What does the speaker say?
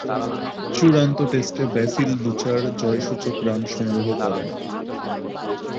চূড়ান্ত টেস্টে Basil Butcher জয়সূচক রান সংগ্রহ করেন।